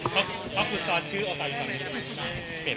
เพราะคุณซอสชื่อโอปาร์ตินตอนนี้